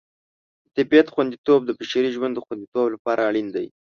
د طبیعت خوندیتوب د بشري ژوند د خوندیتوب لپاره اړین دی.